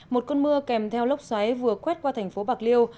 một cơn mưa kèm theo lốc xoáy vừa quét qua thành phố bạc liêu